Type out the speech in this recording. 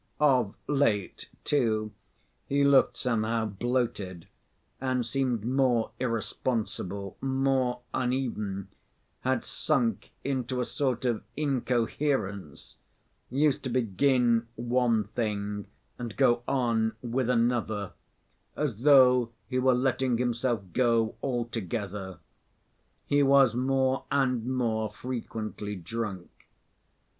Of late, too, he looked somehow bloated and seemed more irresponsible, more uneven, had sunk into a sort of incoherence, used to begin one thing and go on with another, as though he were letting himself go altogether. He was more and more frequently drunk.